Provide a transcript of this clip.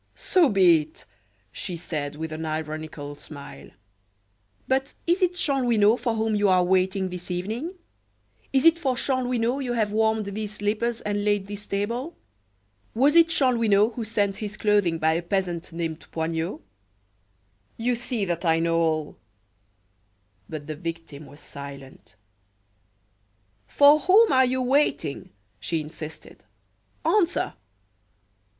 "So be it," she said, with an ironical smile, "but is it Chanlouineau for whom you are waiting this evening? Is it for Chanlouineau you have warmed these slippers and laid this table? Was it Chanlouineau who sent his clothing by a peasant named Poignot? You see that I know all " But her victim was silent. "For whom are you waiting?" she insisted. "Answer!"